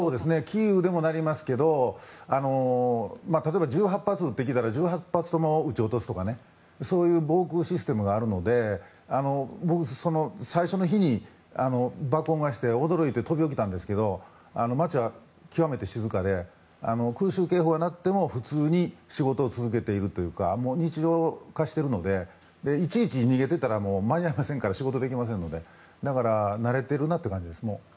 キーウでもなりますけど例えば１８発撃ってきたら１８発とも撃ち落とすとかそういう防空システムがあるので最初の日に爆音がして驚いて飛び起きたんですけど街は極めて静かで空襲警報が鳴っても普通に仕事を続けているというか日常化しているのでいちいち逃げてたら仕事できませんのでだから慣れてるなという感じです。